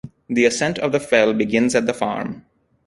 The ascent of the fell begins at the farm.